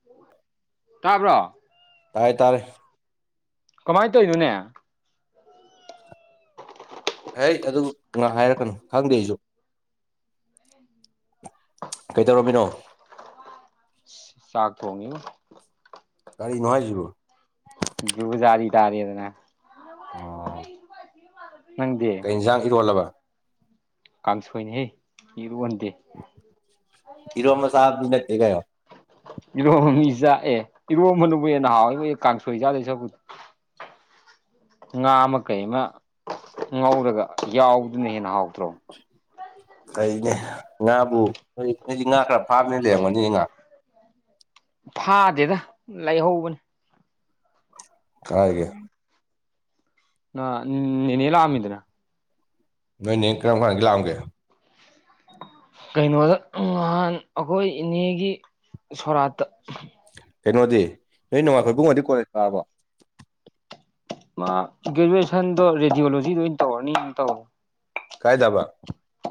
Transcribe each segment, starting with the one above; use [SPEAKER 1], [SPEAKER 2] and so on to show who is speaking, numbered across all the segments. [SPEAKER 1] [inaudible]
[SPEAKER 2] ꯇꯥꯕ꯭ꯔꯣ
[SPEAKER 1] ꯇꯥꯏꯔꯦ ꯇꯥꯔꯦ
[SPEAKER 2] ꯀꯃꯥꯏ ꯇꯗꯨꯨꯅꯦ
[SPEAKER 1] ꯑꯩ ꯑꯗꯨ ꯉꯥꯏ ꯍꯥꯏꯔꯛꯀꯅꯨ ꯈꯪꯗꯦ ꯑꯩꯁꯨ ꯀꯩꯇꯧꯔꯃꯤꯅꯣ
[SPEAKER 2] ꯆꯥꯛ ꯊꯣꯡꯉꯤ
[SPEAKER 1] ꯀꯒꯥꯔꯤ ꯅꯅꯨꯡꯍꯥꯏꯁꯤꯕꯨ
[SPEAKER 2] ꯖꯥꯔꯤ ꯇꯥꯔꯤꯗꯅ
[SPEAKER 1] ꯑꯥ ꯀꯩ ꯏꯟꯁꯥꯡ ꯏꯔꯣꯜꯂꯕ
[SPEAKER 2] ꯀꯥꯡꯁꯣꯏꯅꯤ ꯍꯦ ꯏꯔꯨꯟꯗꯦ
[SPEAKER 1] ꯍ ꯀꯣ
[SPEAKER 2] ꯏꯔꯣꯝꯆꯥ ꯑꯦ ꯏꯔꯣ ꯃꯅꯨꯡꯅꯕꯨ ꯍꯦ ꯅꯍꯥꯎꯋꯏꯕꯣꯏ ꯀꯥꯡꯁꯣꯏꯖꯥꯠꯗꯣꯏ ꯆꯄꯨꯗꯤ ꯉꯥ ꯑꯃ ꯀꯩ ꯑꯃ ꯉꯧꯔꯒ ꯌꯥꯎꯕꯗꯨꯅ ꯍꯦꯟꯅ ꯍꯥꯎꯗ꯭ꯔꯣ
[SPEAKER 1] ꯀꯩꯅꯦ ꯉꯥꯕꯨꯣꯏ ꯑꯩꯗꯤ ꯉꯥ ꯈꯔ ꯐꯥꯝꯅꯤꯅ ꯂꯩꯔꯝꯒꯅꯤꯅꯦ ꯉꯥ
[SPEAKER 2] ꯐꯥꯗꯦꯗ ꯂꯩꯥꯏꯍꯧꯕꯅꯤ
[SPEAKER 1] ꯀꯒꯦ
[SPEAKER 2] ꯑ ꯅꯅꯦꯂ ꯑꯃꯤꯗꯅ
[SPEAKER 1] ꯅꯣꯏꯅꯦ ꯀꯔꯝꯈꯥꯟ ꯒꯂꯥꯝꯒꯦ
[SPEAKER 2] ꯀꯩꯅꯣꯗ ꯅꯍꯥꯟ ꯑꯩꯈꯣꯏ ꯏꯅꯦꯒꯤ ꯁꯣꯔꯥꯠꯇ
[SPEAKER 1] ꯀꯩꯅꯣꯗꯤ ꯅꯣꯏ ꯅꯣꯡꯃꯥꯏꯈꯣꯏ ꯄꯨꯡꯕꯗꯤ ꯀꯣꯂꯦꯖ ꯇꯥꯔꯕ
[SPEAKER 2] ꯃꯥ ꯒ꯭ꯔꯦꯖꯨꯑꯦꯁꯟꯗꯣ ꯔꯦꯗꯤꯑꯣꯣꯂꯣꯖꯤꯗ ꯑꯣꯏꯅ ꯇꯧꯔꯅꯤ ꯇꯧ
[SPEAKER 1] ꯀꯥꯏ ꯗꯥꯕ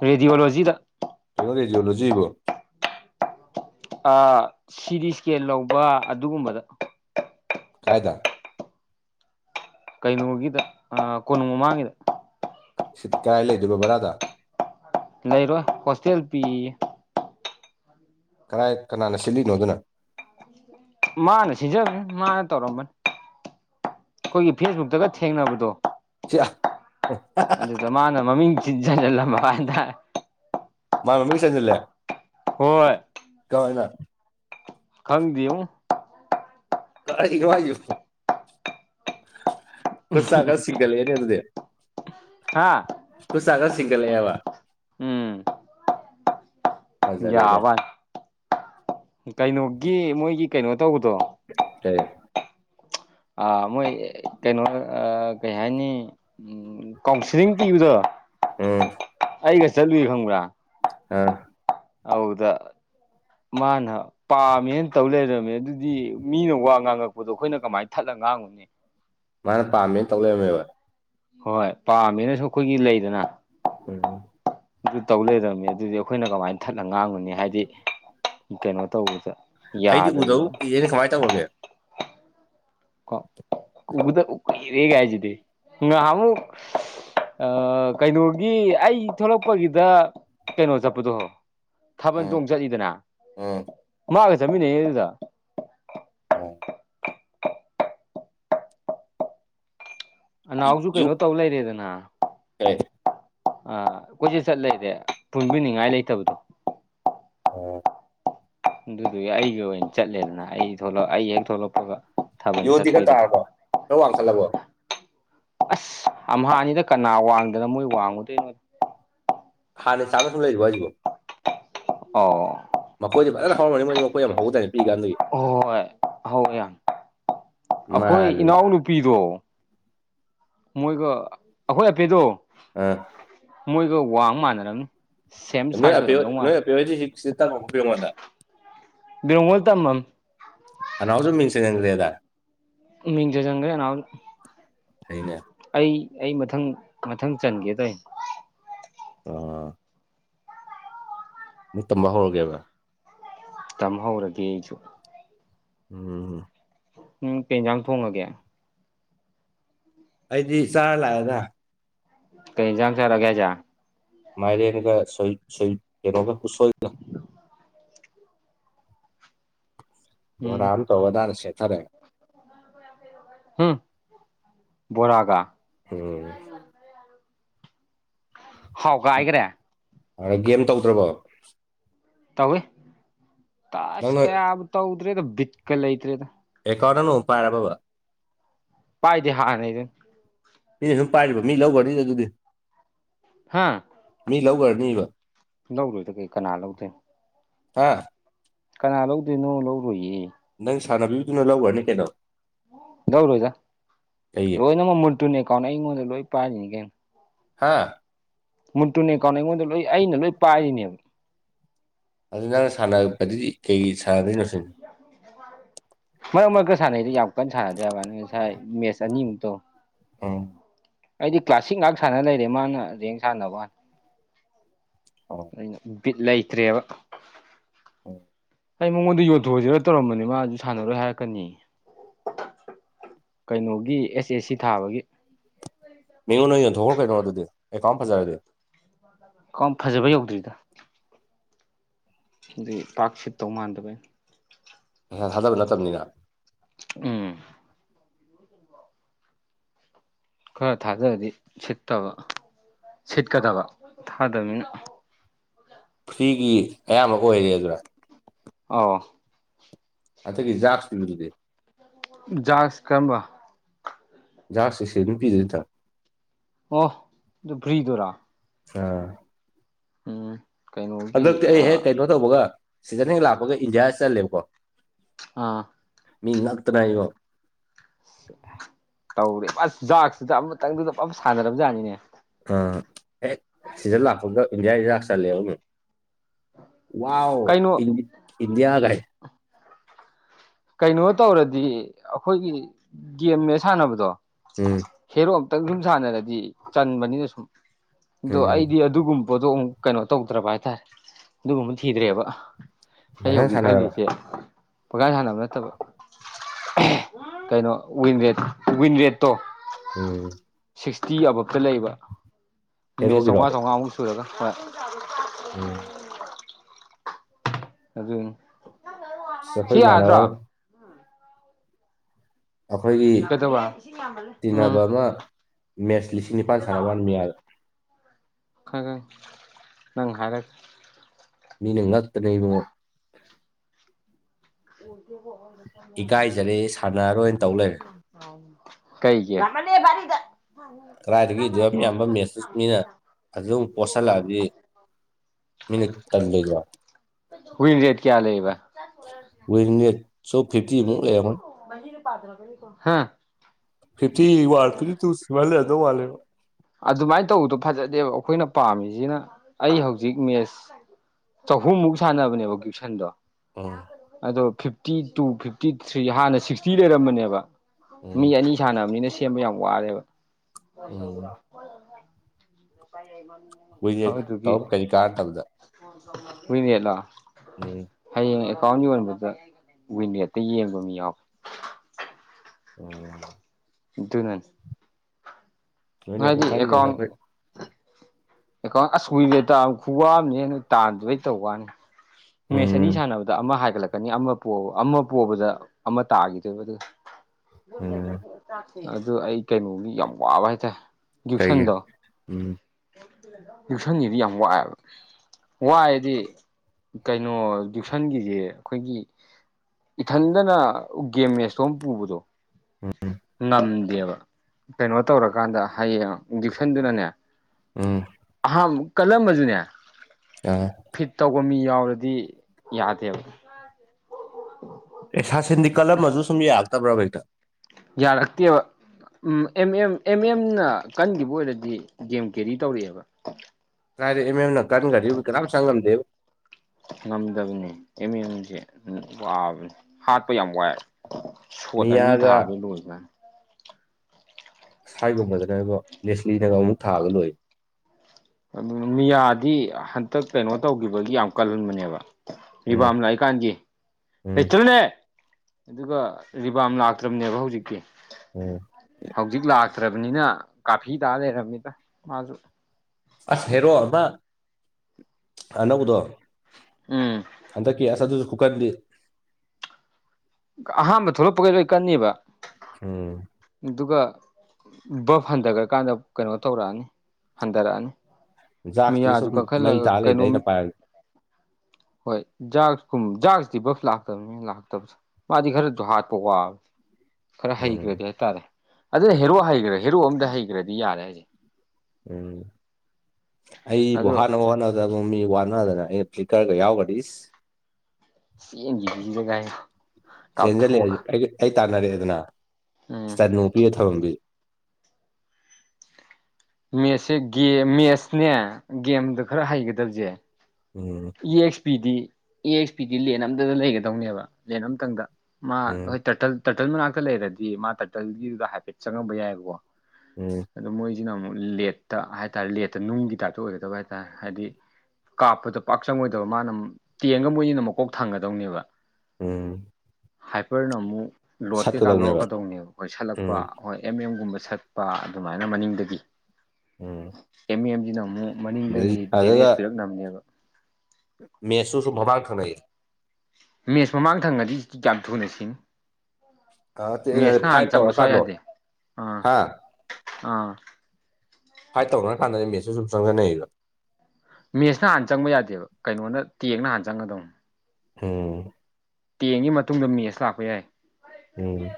[SPEAKER 2] [unintelligible] ꯖꯤꯗ
[SPEAKER 1] [unintelligible] ꯖꯤꯕ
[SPEAKER 2] ꯁꯤꯗꯤ ꯏꯁꯀꯦꯟ ꯂꯧꯕ ꯑꯗꯨꯒꯨꯝꯕꯗ
[SPEAKER 1] ꯀꯥꯏꯗ
[SPEAKER 2] ꯀꯩꯅꯣꯒꯤꯗ ꯀꯣꯅꯨꯡ ꯃꯃꯥꯡꯒꯤꯗ
[SPEAKER 1] ꯁꯤ ꯀꯥꯏ ꯂꯩꯗꯨꯕꯕꯔꯥꯗ
[SPEAKER 2] ꯂꯩꯔꯣꯏ ꯍꯣꯁꯇꯦꯜ ꯄꯤ
[SPEAKER 1] ꯀꯗꯥꯥꯏ ꯀꯅꯥꯅ ꯁꯤꯜꯂꯤꯅꯣ ꯑꯗꯨꯅ
[SPEAKER 2] ꯃꯥꯅ ꯁꯤꯟꯖꯕꯅꯤ ꯃꯥꯅ ꯇꯧꯔꯝꯕꯅꯤ ꯑꯩꯈꯣꯏꯒꯤ ꯐꯦꯁꯕꯨꯛꯇꯒ ꯊꯦꯡꯅꯕꯗꯣ
[SPEAKER 1] ꯁꯤ ꯑ
[SPEAKER 2] ꯑꯗꯨꯗ ꯃꯥꯅ ꯃꯃꯤꯡ ꯆꯤꯟꯖꯍꯜꯂꯝꯕꯀꯥꯟꯗ
[SPEAKER 1] ꯃꯥ ꯃꯃꯤ ꯆꯖꯂꯦ
[SPEAKER 2] ꯍꯣꯏ
[SPEAKER 1] ꯀꯅꯥ
[SPEAKER 2] ꯈꯪꯗꯨ
[SPEAKER 1] ꯀ ꯀ ꯈꯨ ꯁꯥ ꯈꯒ ꯂꯩꯅꯦ ꯑꯗꯨꯗ
[SPEAKER 2] ꯍꯥ
[SPEAKER 1] ꯀꯣꯏ ꯁꯥꯒꯔꯁꯤꯡꯒ ꯂꯩ ꯌꯥꯕ
[SPEAKER 2] ꯎꯝ
[SPEAKER 1] ꯐꯖꯔꯦꯅꯦ
[SPEAKER 2] ꯌꯥꯕ ꯀꯩꯅꯣꯒꯤ ꯃꯣꯏꯒꯤ ꯀꯩꯅꯣ ꯇꯧꯕꯗꯣ
[SPEAKER 1] ꯍ
[SPEAKER 2] ꯑ ꯃꯣꯏ ꯀꯩꯅꯣ ꯀꯩ ꯍꯥꯏꯅꯤ ꯀꯥꯎꯟꯁꯤꯂꯤꯡ ꯄꯤꯕꯗ
[SPEAKER 1] ꯎꯝ
[SPEAKER 2] ꯑꯩꯒ ꯆꯠꯂꯨꯏ ꯈꯪꯕ꯭ꯔꯥ
[SPEAKER 1] ꯑꯥ
[SPEAKER 2] ꯍꯥꯎꯗ ꯃꯥꯅ ꯄꯥꯝꯃꯦꯅ ꯇꯧ ꯂꯩꯔꯝꯃꯦ ꯑꯗꯨꯗꯤ ꯃꯤꯅ ꯋꯥ ꯉꯥꯡꯉꯛꯄꯗꯣ ꯑꯩꯈꯣꯏꯅ ꯀꯃꯥꯏꯅ ꯊꯠꯂ ꯉꯥꯡꯅꯤ
[SPEAKER 1] ꯃꯥꯅ ꯄꯥꯝꯃꯦꯅ ꯇꯧ ꯂꯩꯔꯝꯃꯦꯕ
[SPEAKER 2] ꯍꯣꯏ ꯄꯥꯝꯃꯤꯅꯁꯨ ꯑꯩꯈꯣꯏꯒꯤ ꯂꯩꯗꯅ
[SPEAKER 1] ꯎꯝ
[SPEAKER 2] ꯑꯗꯨ ꯇꯧ ꯂꯩꯗꯕꯅꯤ ꯑꯗꯨꯗꯤ ꯑꯩꯈꯣꯏꯅ ꯀꯃꯥꯏꯅ ꯊꯠꯂ ꯉꯥꯡꯕꯅꯤ ꯍꯥꯏꯗꯤ ꯀꯩꯅꯣ ꯇꯧꯕꯗ
[SPEAKER 1] ꯑꯩꯗꯤ ꯎꯗꯧ
[SPEAKER 2] ꯌꯥꯗꯗꯅ
[SPEAKER 1] ꯎꯗꯦꯩꯅ ꯀꯃꯥꯏꯅ ꯇꯧꯔꯒꯦ
[SPEAKER 2] ꯎꯗ ꯎꯔꯦꯒꯥꯏꯁꯤꯗꯤ ꯉꯃꯨ ꯑ ꯀꯩꯅꯣꯒꯤ ꯑꯩ ꯊꯣꯛꯂꯛꯄꯒꯤꯗ ꯀꯩꯅꯣ ꯆꯠꯄꯗꯣꯣ ꯊꯥꯕꯜ
[SPEAKER 1] ꯎꯝ
[SPEAKER 2] ꯆꯣꯡ ꯆꯠꯂꯤꯗꯅ
[SPEAKER 1] ꯎꯝ
[SPEAKER 2] ꯃꯥꯒ ꯆꯠꯃꯤꯟꯅꯩꯌꯦ ꯑꯗꯨꯗ
[SPEAKER 1] ꯎꯝ
[SPEAKER 2] ꯑ ꯍꯧꯁꯨ ꯀꯩꯅꯣ ꯇꯧ ꯂꯩꯔꯦꯗꯅ
[SPEAKER 1] ꯇ
[SPEAKER 2] ꯑꯥ ꯀꯈꯣꯏꯁꯦ ꯆꯠꯂꯔꯦ ꯄꯨꯟꯕꯤꯅꯤꯡꯉꯥꯏ ꯂꯩꯇꯕꯗꯣ
[SPEAKER 1] ꯑ
[SPEAKER 2] ꯑꯗꯨꯗꯨꯒꯤ ꯑꯩꯒꯤ ꯑꯣꯏꯅ ꯆꯠꯂꯦꯗꯅ ꯑꯩꯂ ꯑꯩ ꯍꯦꯛ ꯊꯣꯛꯂꯛꯄꯒ ꯊꯥꯕꯜ
[SPEAKER 1] ꯌꯣꯠꯇꯤꯒ
[SPEAKER 2] ꯆꯠꯄꯩꯗꯣ
[SPEAKER 1] ꯇꯥꯔꯕꯣ ꯅꯣꯏ ꯋꯥꯡꯈꯠꯂꯕꯣ
[SPEAKER 2] ꯑꯁ ꯑꯃ ꯑꯅꯤꯗ ꯀꯅꯥ ꯋꯥꯡꯗꯅ ꯃꯣꯏ ꯋꯥꯡꯉꯨꯗꯣꯏꯅꯣ
[SPEAKER 1] ꯍꯥꯟꯅꯩ ꯆꯥꯡꯗ ꯊꯨꯝ ꯂꯩꯔꯤꯕꯣ ꯍꯥꯢꯖꯤꯕꯣ
[SPEAKER 2] ꯑꯣ
[SPEAKER 1] ꯃꯈꯣꯏꯗꯤ ꯐꯖꯅ ꯍꯧꯔꯅꯤ ꯃꯣꯏ ꯃꯈꯣꯏ ꯌꯥꯝ ꯍꯧꯗꯅꯤ
[SPEAKER 2] ꯍ ꯍꯣꯏ ꯍ ꯌꯥ ꯑꯩꯈꯣꯏ
[SPEAKER 1] ꯃꯥꯅꯤ
[SPEAKER 2] ꯏꯅꯥꯎꯅꯨꯄꯤꯗꯣ ꯃꯣꯏꯒ ꯑꯩꯈꯣꯏ ꯑꯄꯦꯗꯣ
[SPEAKER 1] ꯑꯥ
[SPEAKER 2] ꯃꯣꯏꯒ ꯋꯥꯡ ꯃꯥꯟꯅꯔꯝꯅꯤ ꯁꯦꯝ
[SPEAKER 1] ꯅꯣꯏ
[SPEAKER 2] ꯁꯥꯏꯖ
[SPEAKER 1] ꯑꯄꯦ
[SPEAKER 2] ꯑꯣꯏꯔꯝꯗꯧ
[SPEAKER 1] ꯅꯣꯏ
[SPEAKER 2] ꯃꯥꯜꯂꯦ
[SPEAKER 1] ꯑꯄꯦ ꯍꯣꯏꯗꯤ ꯁꯤꯗ ꯇꯝꯃꯛꯄ꯭ꯔꯣ ꯑꯩꯉꯣꯟꯗ
[SPEAKER 2] ꯃꯣꯜ ꯇꯃꯝ
[SPEAKER 1] ꯅꯅꯥꯎꯁꯨ ꯃꯤꯡ ꯆꯟꯍꯟꯈ꯭ꯔꯦꯗ
[SPEAKER 2] ꯃꯤꯖꯖꯪꯒꯦꯅ
[SPEAKER 1] ꯐꯩꯅꯦ
[SPEAKER 2] ꯑꯩ ꯑꯩ ꯃꯊꯪ ꯃꯊꯪ ꯆꯟꯒꯦ ꯇꯏ
[SPEAKER 1] ꯑ ꯃꯨ ꯇꯝꯕ ꯍꯧꯔꯒꯦꯕ
[SPEAKER 2] ꯇꯝꯍꯧꯔꯒꯦ ꯑꯩꯁꯨ
[SPEAKER 1] ꯎꯝ
[SPEAKER 2] ꯎꯝ ꯇꯦꯟꯖꯥꯡ ꯊꯣꯡꯉꯒꯦ
[SPEAKER 1] ꯑꯩꯗꯤ ꯆꯥꯔ ꯂꯥꯛꯑꯗ
[SPEAKER 2] ꯀꯩꯖꯥꯡ ꯁꯔꯒꯌꯥꯖ
[SPEAKER 1] ꯃꯥꯏꯔꯦꯟꯒ ꯁꯣꯏꯠ ꯁꯣꯏꯠ ꯀꯩꯅꯣꯒ ꯎꯁꯣꯏꯒ ꯔ
[SPEAKER 2] ꯎꯝ
[SPEAKER 1] ꯑꯝꯇꯔꯦꯁ ꯈꯔꯦ
[SPEAKER 2] ꯎꯝ ꯣꯔꯥꯒ
[SPEAKER 1] ꯎꯝ
[SPEAKER 2] ꯍꯥꯎ ꯀꯥꯏꯒꯔꯦ
[SPEAKER 1] ꯑꯔ ꯒꯦꯝ ꯇꯧꯗ꯭ꯔꯕꯣ
[SPEAKER 2] ꯇꯧꯋ ꯇꯥꯁ
[SPEAKER 1] ꯅꯪꯅ
[SPEAKER 2] ꯀꯕ ꯇꯧꯗꯔꯦ ꯤꯀ ꯂꯩꯇꯔꯦ
[SPEAKER 1] ꯀꯗꯅ ꯎ ꯄꯥꯏꯔꯔꯕꯕ
[SPEAKER 2] ꯄꯥꯏꯗꯤꯦ ꯍꯥꯥꯟꯅꯗ
[SPEAKER 1] ꯃꯤꯅꯦ ꯁꯨꯝ ꯄꯥꯏꯔꯤꯕ ꯃꯤ ꯂꯧꯈꯅꯤ ꯑꯗꯨꯗꯤ
[SPEAKER 2] ꯍꯥꯥ
[SPEAKER 1] ꯃꯤ ꯂꯧꯒꯅꯤꯕ
[SPEAKER 2] ꯂꯧꯧꯔꯣꯏꯗ ꯀꯩ ꯀꯅꯥ ꯂꯧꯧꯗꯦ
[SPEAKER 1] ꯍꯥ
[SPEAKER 2] ꯀꯅꯥ ꯂꯧꯗꯣꯏꯅꯣ ꯂꯧꯔꯨꯌꯦ
[SPEAKER 1] ꯅꯪ ꯁꯥꯟꯅꯕꯤꯕꯗꯨꯅ ꯂꯧꯈꯔꯅꯤ ꯀꯩꯅꯣ
[SPEAKER 2] ꯂꯧꯧꯔꯣꯏꯗ
[SPEAKER 1] ꯀꯩꯒꯤ
[SPEAKER 2] ꯂꯣꯏꯅꯃꯛ ꯃꯨꯟꯇꯨꯅꯦ ꯀꯥꯎꯅ ꯑꯩꯉꯣꯟꯗ ꯂꯣꯏ ꯄꯥꯏꯔꯤꯅꯤ ꯀꯩꯅꯣ
[SPEAKER 1] ꯍꯥꯥ
[SPEAKER 2] ꯃꯨꯟꯇꯨꯅꯦ ꯀꯥꯎꯅ ꯑꯩꯉꯣꯟꯗ ꯂꯣꯏ ꯑꯩꯅ ꯂꯣꯏ ꯄꯥꯏꯔꯤꯅꯦꯕ
[SPEAKER 1] ꯑꯗꯨ ꯅꯪ ꯁꯥꯟꯅꯕꯗꯗꯤ ꯀꯩ
[SPEAKER 2] ꯃꯔꯛ ꯃꯔꯀ ꯁꯥꯟꯅꯩꯗꯤ ꯌꯥꯝ ꯀꯟꯅ ꯁꯥꯟꯅꯗꯦ ꯍꯥꯏꯕꯅꯤ ꯉꯁꯥꯏ ꯃꯁꯅꯤꯨꯛꯇ
[SPEAKER 1] ꯍꯝ
[SPEAKER 2] ꯑꯩꯗꯤ ꯀ꯭ꯂꯥꯁꯤꯛ ꯉꯥꯏꯍꯥꯛ ꯁꯥꯟꯅ ꯂꯩꯔꯦ ꯃꯥꯅ ꯌꯦꯡ ꯁꯥꯟꯅꯕꯥꯟ
[SPEAKER 1] ꯑꯣ
[SPEAKER 2] ꯑꯩꯅ ꯕꯤꯠ ꯂꯩꯇ꯭ꯔꯦꯕ
[SPEAKER 1] ꯍ
[SPEAKER 2] ꯑꯩ ꯃꯉꯣꯟꯗ ꯌꯣꯟꯊꯣꯛꯑꯁꯤꯔ ꯇꯧꯔꯝꯕꯅꯤ ꯃꯥ ꯑꯗꯨ ꯁꯥꯟꯅꯔꯣꯏ ꯍꯥꯏꯔꯛꯀꯅꯤ ꯀꯩꯅꯣꯒꯤ ꯑꯦꯁ ꯑꯦꯁ ꯁꯤ ꯊꯥꯕꯒꯤ
[SPEAKER 1] ꯑꯦꯀꯥꯎ ꯐꯖꯔꯦꯗ
[SPEAKER 2] ꯀ ꯐꯖꯕ ꯌꯧꯗ꯭ꯔꯤꯗ ꯑꯗꯤ ꯄꯥꯔꯁꯤꯞ ꯇꯧ ꯃꯥꯟꯗꯕꯩ
[SPEAKER 1] ꯊꯥꯗꯕ ꯅꯠꯇꯕꯅꯤꯅ
[SPEAKER 2] ꯎꯝ ꯈꯔ ꯊꯥꯖꯔꯗꯤ ꯁꯤꯠꯇꯕ ꯁꯤꯠꯀꯗꯕ ꯊꯥꯗꯃꯤꯅ
[SPEAKER 1] ꯐ꯭ꯔꯤꯒꯤ ꯑꯌꯥꯝꯕ ꯑꯣꯏꯔꯦ ꯑꯗꯨꯔ
[SPEAKER 2] ꯑ
[SPEAKER 1] ꯑ ꯀꯖꯥꯞ ꯊ ꯇꯗꯤ
[SPEAKER 2] ꯖꯥꯁ ꯀꯔꯝꯕ
[SPEAKER 1] ꯌꯥ ꯑꯁꯦ ꯁꯦ ꯅꯨꯄꯤꯤꯗꯦꯗ
[SPEAKER 2] ꯑꯣ ꯑꯗꯨ ꯐ꯭ꯔꯤꯗꯨꯔꯥ
[SPEAKER 1] ꯑꯥ
[SPEAKER 2] ꯑꯣ
[SPEAKER 1] ꯍꯟꯗꯛꯇꯤ ꯑꯩ ꯍꯦꯛ ꯀꯩꯅꯣ ꯇꯧꯕꯒ ꯁꯤꯖꯟ ꯍꯦꯛ ꯂꯥꯛꯄꯒ ꯏꯟꯗꯤꯌꯥ ꯆꯜꯂꯦꯕꯀꯣ
[SPEAKER 2] ꯑꯥ
[SPEAKER 1] ꯃꯤ ꯅꯛꯇ꯭ꯔ ꯍꯥꯏꯒꯣ
[SPEAKER 2] ꯇꯧꯔꯦ ꯑꯁ ꯖꯥꯛꯁꯤꯗ ꯑꯃꯇꯪꯗꯨꯗ ꯑꯃ ꯁꯥꯟꯅꯔꯕꯖꯥꯠꯅꯤꯅꯦ
[SPEAKER 1] ꯑꯥ ꯑꯦ ꯁꯤꯗ ꯂꯥꯛꯄꯗ ꯏꯟꯗꯤꯌꯥꯁꯤ ꯂꯥꯛ ꯆꯜꯂꯦꯕ ꯑꯃꯨꯛ ꯋꯥ
[SPEAKER 2] ꯀꯩꯅꯣ
[SPEAKER 1] ꯏꯟꯗꯤ ꯏꯟꯗꯤꯌꯥ ꯀꯥꯏ
[SPEAKER 2] ꯀꯩꯅꯣ ꯇꯧꯔꯗꯤ ꯑꯩꯈꯣꯏꯒꯤ ꯒꯦꯝꯅꯦ ꯁꯥꯟꯅꯕꯗꯣ
[SPEAKER 1] ꯎꯝ
[SPEAKER 2] ꯍꯦꯔꯣ ꯈꯤꯇꯪ ꯁꯨꯝ ꯁꯥꯟꯅꯔꯗꯤ ꯆꯟꯕꯅꯤꯅ ꯁꯨꯝ ꯑꯗꯣ
[SPEAKER 1] ꯎꯝ
[SPEAKER 2] ꯑꯩꯗꯤ ꯑꯗꯨꯒꯨꯝꯕ ꯄꯣꯠꯇꯣ ꯑꯃꯨꯛ ꯀꯩꯅꯣ ꯇꯧꯗ꯭ꯔꯕ ꯍꯥꯏꯇꯥꯔꯦ ꯑꯗꯨꯒꯨꯝꯕ ꯊꯤꯗ꯭ꯔꯦꯕ ꯑꯩ
[SPEAKER 1] ꯉꯁꯥꯡ
[SPEAKER 2] ꯍꯧꯖꯤꯛ
[SPEAKER 1] ꯁꯥꯟꯅꯔꯕ
[SPEAKER 2] ꯈꯜꯂꯤꯁꯦ ꯄꯀꯥ ꯁꯥꯟꯅꯕꯅ ꯠꯇꯕ ꯀꯩꯅꯣꯋꯤꯟ ꯔꯦꯠ ꯋꯤꯟ ꯔꯦꯠꯇꯣ
[SPEAKER 1] ꯎꯝ
[SPEAKER 2] ꯁꯤꯛꯁꯇꯤ ꯑꯕꯞꯇ ꯂꯩꯕ ꯃꯦ
[SPEAKER 1] ꯍꯦꯔꯣꯒꯤꯔꯣ
[SPEAKER 2] ꯆꯥꯝꯃꯉꯥ ꯆꯥꯝꯃꯉꯥꯃꯨꯛ ꯁꯨꯔꯒ ꯍꯣꯏ
[SPEAKER 1] ꯎꯝ
[SPEAKER 2] ꯑꯗꯨꯗ
[SPEAKER 1] ꯁꯈꯣꯏ ꯃꯥꯅꯕ ꯑꯩꯈꯣꯏꯒꯤ
[SPEAKER 2] ꯀꯗꯧꯕ ꯎꯝ
[SPEAKER 1] ꯇꯤꯟꯅꯕ ꯑꯃ ꯃꯦꯠꯁ ꯂꯤꯁꯤꯡ ꯅꯤꯄꯥꯟ ꯁꯥꯟꯅꯕꯃꯤ ꯌꯥꯗ
[SPEAKER 2] ꯈꯔ ꯈꯪ ꯅꯪ ꯍꯥꯏꯔꯒ
[SPEAKER 1] ꯃꯤꯅ ꯉ ꯇ ꯅꯩꯅꯣ
[SPEAKER 2] ꯎꯝ
[SPEAKER 1] ꯏꯀꯥꯏꯖꯔꯦ ꯁꯥꯟꯅꯔꯣꯏꯅ ꯇꯧ ꯂꯩꯔꯦ
[SPEAKER 2] ꯀꯩꯒꯤꯗ
[SPEAKER 1] ꯀꯗꯥꯏꯗꯒꯤ ꯗꯞ ꯌꯥꯝꯕ ꯃꯦꯆꯁ ꯃꯤꯅ ꯑꯗꯨꯝ ꯄꯣꯠꯁꯤꯜꯂꯛꯑꯗꯤ ꯃꯤꯅ ꯇ ꯂꯩꯖ
[SPEAKER 2] ꯋꯤꯟ ꯔꯦꯠ ꯀꯌꯥ ꯂꯩꯕ
[SPEAKER 1] ꯋꯤꯅꯦꯠ ꯁꯣ ꯐꯤꯞꯇꯤꯃꯨꯛ ꯂꯩꯝꯟ
[SPEAKER 2] [unintelligible]
[SPEAKER 1] ꯐꯤꯊꯤ ꯋꯥꯔꯇ ꯇꯨ ꯁꯤꯃꯗꯣ ꯋꯥꯂꯦꯕ
[SPEAKER 2] ꯑꯗꯨꯃꯥꯏꯅ ꯇꯧꯕꯗꯣ ꯐꯖꯗꯦꯕ ꯑꯩꯈꯣꯏꯅ ꯄꯥꯝꯃꯤꯁꯤꯅ ꯑꯩ ꯍꯧꯖꯤꯛ ꯃꯦꯁ ꯆꯍꯨꯝꯃꯨꯛ ꯁꯥꯟꯅꯕꯅꯦꯕ ꯀ꯭ꯌꯨꯁꯟꯗꯣ
[SPEAKER 1] ꯎꯝ
[SPEAKER 2] ꯑꯗꯣ ꯐꯤꯐꯇꯤ ꯇꯨ ꯐꯤꯐꯇꯤ ꯊ꯭ꯔꯤ ꯍꯥꯟꯅ ꯁꯤꯛꯁꯇꯤ ꯂꯩꯔꯝꯕꯅꯦꯕ
[SPEAKER 1] ꯎꯝ
[SPEAKER 2] ꯃꯤ ꯑꯅꯤ ꯁꯥꯟꯅꯕꯅꯤꯅ ꯁꯦꯝꯕ ꯌꯥꯝ ꯋꯥꯔꯦꯕ
[SPEAKER 1] ꯎꯝ
[SPEAKER 2] ꯥꯏ
[SPEAKER 1] ꯍꯨꯏꯅꯦꯦ ꯇ ꯀꯔꯤ ꯀꯥ ꯇꯕꯗ
[SPEAKER 2] ꯃꯤꯅꯤꯂ
[SPEAKER 1] ꯎꯝ
[SPEAKER 2] ꯀꯥꯎꯟ ꯌꯣꯟꯕꯗ ꯋꯤꯟꯒꯦꯠꯇ ꯌꯦꯡꯕ ꯑꯃ ꯌꯥꯎꯋ
[SPEAKER 1] ꯑꯣꯝ
[SPEAKER 2] ꯑꯗꯨ
[SPEAKER 1] ꯋꯤꯟꯌꯦꯛꯀ
[SPEAKER 2] ꯍꯥꯏꯗꯤ
[SPEAKER 1] ꯈꯟꯗꯦꯗ
[SPEAKER 2] ꯑꯦꯀꯣꯟ
[SPEAKER 1] ꯑꯩꯈꯣꯏ
[SPEAKER 2] ꯑꯁꯏꯕꯦ ꯇ ꯈꯨꯋꯥꯝꯅꯦ ꯅ ꯇꯥꯟꯗꯕꯩ ꯇꯧ ꯋꯥꯅꯤ
[SPEAKER 1] ꯎꯝ
[SPEAKER 2] ꯃꯦꯁꯅꯤ ꯁꯥꯟꯅꯕꯗ ꯑꯃ ꯀꯠꯂꯛꯀꯅꯤ ꯑꯃ ꯑꯃ ꯄꯣꯕꯗ ꯑꯃ ꯇꯥꯈꯤꯗꯣꯏꯕ ꯑꯗꯨꯒ
[SPEAKER 1] ꯎꯝ
[SPEAKER 2] ꯑꯗꯨ ꯑꯩ ꯀꯩꯅꯣꯒꯤ ꯌꯥꯝ ꯋꯥꯕ ꯍꯥꯏꯇꯥꯔꯦ
[SPEAKER 1] ꯍꯩꯒ ꯎꯝ
[SPEAKER 2] ꯌꯎꯁꯪꯉꯤꯗꯤ ꯌꯥꯝ ꯋꯥꯑꯦꯕ ꯋꯥꯏꯗꯤ ꯀꯩꯅꯣ ꯎꯁꯟꯒꯤꯁꯦ ꯑꯩꯈꯣꯏꯒꯤ ꯏꯊꯟꯗꯅ ꯒꯦꯝ ꯃꯦꯁꯇꯣ ꯑꯃ ꯄꯨꯕꯗꯣ
[SPEAKER 1] ꯎꯝ
[SPEAKER 2] ꯉ ꯕ ꯀꯩꯅꯣ ꯇꯧꯔꯀꯥꯟꯗ ꯍꯌꯦꯡ ꯗ꯭ꯌꯨꯁꯟꯗꯨꯅꯅꯦ
[SPEAKER 1] ꯎꯝ
[SPEAKER 2] ꯀꯜꯂꯝꯃꯁꯨꯅꯦ
[SPEAKER 1] ꯑ
[SPEAKER 2] ꯐꯤꯠ ꯇ ꯃꯤ ꯌꯥꯎꯔꯗꯤ ꯌꯥꯗꯦꯕ
[SPEAKER 1] ꯀꯂꯝ ꯑꯃꯁꯨ ꯁꯨꯝ ꯌꯥꯛꯇꯕ꯭ꯔꯣ ꯕꯦꯛꯇ
[SPEAKER 2] ꯌꯥꯔꯛꯇꯦꯕ ꯎꯝ ꯑꯦꯝ ꯑꯦꯝ ꯑꯦꯝ ꯑꯦꯝꯅ ꯀꯟꯈꯤꯕ ꯑꯣꯏꯔꯗꯤ ꯒꯦꯝ ꯀꯦꯔꯤ ꯇꯧꯔꯛꯑꯦꯕ
[SPEAKER 1] ꯀꯥꯏꯔ ꯏꯃ ꯑꯦꯝꯅ ꯀꯟꯈ꯭ ꯀꯅꯥꯝ ꯆꯪꯂꯝꯗꯦꯕ
[SPEAKER 2] ꯎꯝ ꯋꯥꯕꯅꯤ ꯍꯥꯠꯄ ꯌꯥꯝ ꯋꯥꯏ ꯁꯣꯠ ꯑꯅꯤ
[SPEAKER 1] ꯃꯤꯌꯥꯒ
[SPEAKER 2] ꯊꯥꯕꯅꯤ ꯂꯣꯏꯕꯅꯤ
[SPEAKER 1] ꯉꯁꯥꯏꯒꯨꯝꯕꯗꯅꯣ ꯂꯦꯁꯂꯤꯅꯒ ꯑꯃꯨꯛ ꯊꯥꯒ ꯂꯣꯏ
[SPEAKER 2] ꯑꯗꯨ ꯃꯤꯌꯥꯗꯤ ꯍꯟꯇꯛ ꯀꯩꯅꯣ ꯇꯧꯈꯤꯕꯒꯤ ꯌꯥꯝ ꯀꯜꯍꯟꯕꯅꯦꯕ
[SPEAKER 1] ꯎꯝ
[SPEAKER 2] ꯔꯤꯕꯥꯝ ꯂꯥꯛꯏꯀꯥꯟꯒꯤ
[SPEAKER 1] ꯎꯝ
[SPEAKER 2] ꯍꯩꯇ꯭ꯔꯅꯦ ꯑꯗꯨꯒ ꯔꯤꯕꯥꯝ ꯂꯥꯛꯇ꯭ꯔꯕꯅꯦꯕ ꯍꯧꯖꯤꯛꯇꯤ
[SPEAKER 1] ꯎꯝ
[SPEAKER 2] ꯍꯧꯖꯤꯛ ꯂꯥꯛ ꯐꯠꯇ꯭ꯔꯕꯅꯤꯅ ꯀꯥꯐꯤ ꯇꯥ ꯂꯩꯔꯕꯅꯤꯗ ꯃꯥꯁꯨ
[SPEAKER 1] ꯑꯁ ꯍꯦꯔꯣ ꯑꯅꯧꯕꯗꯣ
[SPEAKER 2] ꯎꯝ
[SPEAKER 1] ꯑꯗ ꯀ ꯑꯁ ꯑꯗꯨ ꯈꯨꯨꯀꯥꯟꯗ
[SPEAKER 2] ꯑꯍꯥꯟꯕ ꯊꯣꯛꯂꯛꯄꯒꯩ ꯂꯣꯏ ꯀꯟꯅꯕ
[SPEAKER 1] ꯑꯣꯝ
[SPEAKER 2] ꯑꯗꯨꯒ ꯕꯞ ꯍꯟꯊꯈ꯭ꯔꯀꯥꯟꯗ ꯀꯩꯅꯣ ꯇꯧꯔꯛꯑꯅꯤ ꯍꯟꯊꯔꯛꯑꯅꯤ
[SPEAKER 1] ꯖꯥꯛꯁꯇꯤ
[SPEAKER 2] ꯃꯤꯌꯥꯁꯨ
[SPEAKER 1] ꯁꯨꯝ ꯃꯩ
[SPEAKER 2] ꯀꯟꯈꯠꯂꯒ
[SPEAKER 1] ꯇꯥ ꯂꯩꯗ
[SPEAKER 2] ꯀꯩꯅꯣꯝ
[SPEAKER 1] ꯑꯩꯅ ꯄꯥꯏꯕꯗ
[SPEAKER 2] ꯍꯣꯏ ꯖꯥꯛ ꯀꯨꯝ ꯖꯥꯛꯁꯤꯗꯤ ꯕꯁ ꯂꯥꯛꯇꯕꯅꯤ ꯂꯥꯛꯇꯕ ꯃꯥꯗꯤ ꯈꯔꯁꯨ ꯍꯥꯠꯄ ꯋꯥꯕꯅꯤ ꯈꯔ
[SPEAKER 1] ꯎꯝ
[SPEAKER 2] ꯍꯩꯈ꯭ꯔꯗꯤ ꯍꯥꯏꯇꯥꯔꯦ ꯑꯗꯨꯅ ꯍꯦꯔꯣ ꯍꯩꯈ꯭ꯔꯦ ꯍꯦꯔꯣ ꯑꯝꯗ ꯍꯩꯈ꯭ꯔꯗꯤ ꯌꯥꯔꯦ ꯍꯥꯏꯁꯦ
[SPEAKER 1] ꯎꯝ ꯑꯩ
[SPEAKER 2] ꯑꯗꯣ
[SPEAKER 1] ꯋꯥꯍꯥꯅ ꯋꯥꯍꯅꯗ ꯃꯤ ꯋꯥꯅꯗꯅ ꯑꯩꯅ ꯐ꯭ꯂꯤꯛꯀꯔꯒ ꯌꯥꯎꯒꯗꯤꯁ
[SPEAKER 2] ꯁꯤ ꯒ
[SPEAKER 1] ꯆꯦꯟꯁꯤꯜꯂꯛꯑꯦ ꯑꯩ ꯑꯩ ꯇꯥꯟꯅꯔꯛꯑꯦꯗꯅ
[SPEAKER 2] ꯎꯝ
[SPEAKER 1] ꯏꯁꯟꯨꯄꯤꯔ ꯊꯧꯔꯝꯕꯤ
[SPEAKER 2] ꯃꯦꯠꯁꯦ ꯃꯦꯁꯅꯦ ꯒꯦꯝꯗ ꯈꯔ ꯍꯩꯒꯗꯕꯁꯦ
[SPEAKER 1] ꯎꯝ
[SPEAKER 2] ꯄꯤ ꯗꯤ ꯑꯦ ꯑꯦꯛꯁ ꯄꯤ ꯗꯤ ꯂꯦꯟ ꯑꯃꯇ ꯂꯩꯒꯗꯧꯅꯦꯕ ꯂꯦꯟ ꯑꯃꯇꯪꯗ ꯃꯥ
[SPEAKER 1] ꯎꯝ
[SPEAKER 2] ꯍꯣꯏ ꯇꯇ ꯇꯇꯜ ꯃꯅꯥꯛꯇ ꯂꯩꯔꯗꯤ ꯃꯥ ꯇꯇꯜꯒꯤꯗꯨꯗ ꯍꯥꯏꯐꯦꯠ ꯆꯪꯉꯝꯕ ꯌꯥꯏꯑꯕꯀꯣ
[SPEAKER 1] ꯎꯝ
[SPEAKER 2] ꯑꯗ ꯃꯣꯏ ꯁꯤꯅ ꯑꯃꯨꯛ ꯂꯦꯠꯇ ꯍꯥꯏꯇꯥꯥꯔꯦ ꯂꯦꯠꯇ ꯅꯨꯡꯒꯤ ꯇꯥꯏꯞꯇ ꯑꯣꯏꯒꯗꯕ ꯍꯥꯏꯇꯥꯔꯦ ꯍꯥꯏꯗꯤ ꯀꯥꯞꯄꯗ ꯄꯥꯛ ꯆꯪꯉꯣꯏꯗꯕ ꯃꯥꯅ ꯇꯦꯟꯒ ꯃꯣꯏꯅꯤꯅ ꯃꯀꯣꯛ ꯊꯥꯡꯒꯗꯧꯅꯦꯕ
[SPEAKER 1] ꯎꯝ
[SPEAKER 2] ꯍꯥꯏꯄꯔꯅ ꯑꯃꯨꯛ ꯂꯣꯠ ꯀꯩꯀꯥ
[SPEAKER 1] ꯁꯠꯀꯗꯧꯅꯦꯕ
[SPEAKER 2] ꯂꯧꯔꯛꯀꯗꯧꯅꯦꯕ ꯑꯩꯈꯣꯏ ꯁꯠꯂꯛꯄ
[SPEAKER 1] ꯎꯝ
[SPEAKER 2] ꯍꯣꯏ ꯑꯦꯝ ꯑꯦꯝꯒꯨꯝꯕ ꯁꯠꯄ ꯑꯗꯨꯃꯥꯏꯅ ꯃꯅꯤꯡꯗꯒꯤ
[SPEAKER 1] ꯎꯝ
[SPEAKER 2] ꯁꯤꯅ ꯑꯃꯨꯛ
[SPEAKER 1] ꯑꯗꯩ
[SPEAKER 2] ꯃꯅꯤꯡꯗꯒꯤ ꯗꯦꯃꯦꯖ ꯄꯤꯔꯛꯅꯕꯅꯦꯕ
[SPEAKER 1] ꯃꯦꯁꯁ ꯎ ꯕꯥꯥꯛ ꯈꯅ
[SPEAKER 2] ꯃꯦꯠꯆ ꯃꯃꯥꯡ ꯊꯪꯅꯗꯤ ꯀ ꯌꯥꯝ ꯊꯨꯅ ꯁꯤꯅꯤ ꯃꯦꯁꯅ
[SPEAKER 1] ꯐꯥꯏꯠ
[SPEAKER 2] ꯍꯥꯟꯅ ꯆꯪꯕ ꯁꯋꯥꯏ
[SPEAKER 1] ꯇꯧꯔꯀꯥꯟꯗꯣ
[SPEAKER 2] ꯌꯥꯗꯦ ꯑꯥ
[SPEAKER 1] ꯍꯥ
[SPEAKER 2] ꯑꯥ
[SPEAKER 1] ꯐꯥꯏꯠ ꯇꯧꯅꯔ ꯀꯥꯟꯗꯗꯤ ꯃꯦꯠꯁꯁꯨ ꯁꯨꯝ ꯆꯪꯁꯤꯟꯅꯩꯌꯦꯕ
[SPEAKER 2] ꯃꯦꯁꯅ ꯍꯥꯟꯅ ꯆꯪꯕ ꯌꯥꯗꯦꯕ ꯀꯩꯅꯣꯅ ꯇꯦꯡꯅ ꯍꯥꯟꯅ ꯆꯪꯒꯗꯧ
[SPEAKER 1] ꯑꯣ
[SPEAKER 2] ꯇꯦꯡꯒꯤ ꯃꯇꯨꯡꯗ ꯃꯦꯁ ꯂꯥꯛꯄ ꯌꯥꯏ
[SPEAKER 1] ꯎꯝ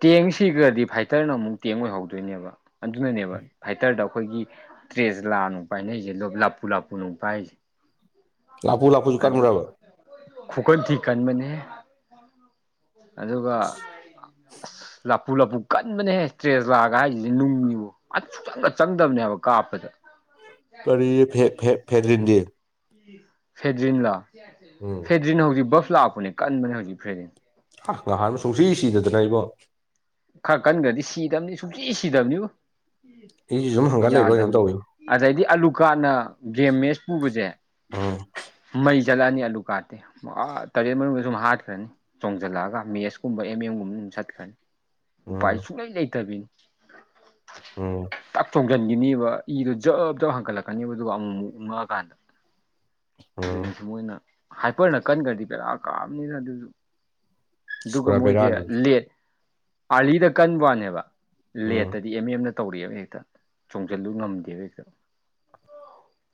[SPEAKER 2] ꯇꯦꯡꯁꯤꯒꯗꯤ ꯐꯥꯏꯇꯔꯅ ꯑꯃꯨꯛ ꯇꯦꯡ ꯑꯣꯏꯍꯧꯗꯣꯏꯅꯦꯕ ꯑꯗꯨꯅꯅꯦꯕ ꯐꯥꯏꯇꯔꯗ ꯑꯩꯈꯣꯏꯒꯤ ꯏꯁꯦꯁ ꯂꯥꯛꯑ ꯅꯨꯡ ꯄꯥꯏꯅ ꯑꯩꯁꯦ ꯂꯞꯄꯨ ꯂꯞꯄꯨ ꯅꯨꯡ ꯄꯥꯏꯁꯦ
[SPEAKER 1] ꯂꯥꯄꯨ ꯂꯥꯄꯨ ꯆ ꯀꯥꯟꯔꯕꯔ
[SPEAKER 2] ꯈꯨꯀꯟꯊꯤ ꯀꯟꯕꯅꯤ ꯑꯗꯨꯒ ꯑꯁ ꯂꯐꯨ ꯂꯐꯨ ꯀꯟꯕꯅꯦꯍꯦ ꯇꯇ꯭ꯔꯦꯖ ꯂꯥꯛꯑꯒ ꯍꯥꯏꯁꯤꯁꯦ ꯅꯨꯡꯅꯤꯕꯨ ꯑꯁꯨꯨꯆꯪꯒ ꯆꯪꯗꯕꯅꯦꯕ ꯀꯥ ꯍꯥꯄꯗ
[SPEAKER 1] ꯀꯔꯤ ꯐꯦꯗꯂꯤꯗꯤꯦ
[SPEAKER 2] ꯐꯦꯗ꯭ꯔꯤꯟꯂꯥ
[SPEAKER 1] ꯎꯝ
[SPEAKER 2] ꯐꯦꯗ꯭ꯔꯤꯟ ꯍꯧꯖꯤꯛ ꯕꯐ ꯂꯥꯛꯄꯅꯦ ꯀꯟꯕꯅꯦ ꯍꯧꯖꯤꯛ ꯐꯦꯔꯤꯟ
[SPEAKER 1] ꯅꯍꯥꯟ ꯁꯨꯡꯁꯤ ꯁꯤꯗꯗꯅ ꯏꯕꯣ
[SPEAKER 2] ꯈꯔ ꯀꯟꯒ꯭ꯔꯗꯤ ꯁꯤꯗꯕꯅꯤ ꯁꯨꯡꯁꯤ ꯁꯤꯗꯕꯅꯤꯕꯨ
[SPEAKER 1] ꯑꯩꯁꯤ ꯁꯨꯝ ꯍꯪꯒꯠ ꯂꯩꯕ꯭ꯔꯥ ꯀꯩꯅꯣꯝ
[SPEAKER 2] ꯌꯥꯗꯕꯅꯤ
[SPEAKER 1] ꯇꯧꯋꯤ
[SPEAKER 2] ꯑꯗꯩꯗꯤ ꯑꯂꯨꯀꯥꯟꯅ ꯒꯦꯃꯦꯖ ꯄꯨꯕꯁꯦ
[SPEAKER 1] ꯎꯝ
[SPEAKER 2] ꯃꯩ ꯖꯜꯂꯅꯤ ꯑꯂꯨ ꯀꯥꯇꯇꯩ ꯇꯔꯦꯠ ꯃꯅꯨꯡꯗ ꯁꯨꯝ ꯍꯥꯠꯈ꯭ꯔꯅꯤ ꯆꯣꯡꯖꯜꯂꯛꯑꯒ ꯃꯦꯠꯁꯀꯨꯝꯕ ꯑꯦꯝ ꯑꯦꯝꯒꯨꯝꯕ ꯆꯠꯈꯅꯤ ꯎꯄꯥꯏ
[SPEAKER 1] ꯎꯝ
[SPEAKER 2] ꯁꯨꯡꯛꯂꯩ ꯂꯩꯇꯥꯕꯤꯅꯤ
[SPEAKER 1] ꯎꯝ
[SPEAKER 2] ꯇꯥꯛ ꯊꯣꯡꯁꯤꯟꯈꯤꯅꯦꯕ ꯏꯗꯣ ꯖꯕ ꯖꯕ ꯍꯪꯒꯠꯂꯛꯀꯅꯦꯕ ꯑꯗꯨꯒ ꯑꯃꯨꯛ ꯑꯃꯨꯛ ꯎꯪꯉꯛꯑꯀꯥꯟꯗ
[SPEAKER 1] ꯎꯝ
[SPEAKER 2] ꯑꯗꯨꯅꯤꯁꯨ ꯃꯣꯏꯅ ꯍꯥꯏꯄꯔꯅ ꯀꯟꯈ꯭ꯔꯗꯤ ꯄꯦꯔꯥ ꯀꯥꯞꯕꯅꯤꯅ ꯑꯗꯨꯁꯨ ꯑꯗꯨꯒ
[SPEAKER 1] ꯄꯨꯔꯥ
[SPEAKER 2] ꯃꯣꯏꯁꯦ
[SPEAKER 1] ꯕꯦꯔꯥꯅꯤ
[SPEAKER 2] ꯂꯦꯠ ꯑꯥꯂꯤꯗ ꯀꯟꯕ ꯋꯥꯅꯦꯕ
[SPEAKER 1] ꯎꯝ
[SPEAKER 2] ꯂꯦꯠꯇꯗꯤ ꯑꯦꯝ ꯑꯦꯝꯅ ꯇꯧꯔꯤꯛꯑꯦꯕ ꯍꯦꯛꯇ ꯆꯣꯡꯁꯤꯜꯂꯨ ꯉꯝꯗꯦꯕ ꯍꯦꯛꯇ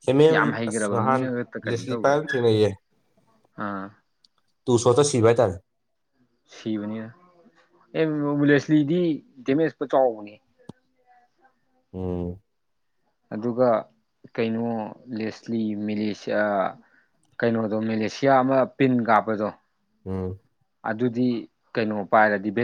[SPEAKER 1] ꯑꯦꯝ
[SPEAKER 2] ꯌꯥꯝ
[SPEAKER 1] ꯑꯦꯝ ꯑꯁ
[SPEAKER 2] ꯍꯩꯈ꯭ꯔꯕ
[SPEAKER 1] ꯅꯍꯥꯟ
[SPEAKER 2] ꯃꯤꯅ ꯍꯛꯇ ꯀꯩꯅꯣ
[SPEAKER 1] ꯂꯦꯁꯂꯤ
[SPEAKER 2] ꯇꯧꯋꯦ
[SPEAKER 1] ꯄꯥꯏꯕ ꯑꯃ ꯊꯦꯡꯅꯩꯌꯦ
[SPEAKER 2] ꯑꯥ
[SPEAKER 1] ꯇꯨ ꯁꯣꯠꯇ ꯁꯤꯚꯥ ꯍꯥꯏꯇꯔꯦ
[SPEAKER 2] ꯁꯤꯕꯅꯤꯅ ꯑꯦ ꯂꯦꯁꯂꯤꯗꯤ ꯗꯦꯃꯦꯖꯄ ꯆꯥꯎꯕꯅꯦ
[SPEAKER 1] ꯎꯝ
[SPEAKER 2] ꯑꯗꯨꯒ ꯀꯩꯅꯣ ꯂꯦꯁꯂꯤ ꯃꯦꯂꯦꯁꯤꯌꯥ ꯀꯩꯅꯣꯗꯣ ꯃꯦꯂꯦꯁꯤꯌꯥ ꯑꯃ ꯄꯤꯟ ꯀꯥꯞꯄꯗꯣ
[SPEAKER 1] ꯎꯝ
[SPEAKER 2] ꯑꯗꯨꯗꯤ ꯀꯩꯅꯣ ꯄꯥꯏꯔꯗꯤ